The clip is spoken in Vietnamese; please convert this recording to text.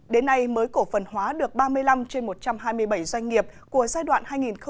đến nay mới cổ phần hóa được ba mươi năm trên một trăm hai mươi bảy doanh nghiệp của giai đoạn hai nghìn một mươi sáu hai nghìn hai mươi